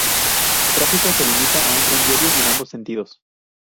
Su tráfico se limita a un tren diario en ambos sentidos.